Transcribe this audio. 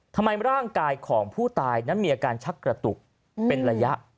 ทำร้ายร่างกายของผู้ตายนั้นมีอาการชักกระตุกเป็นระยะ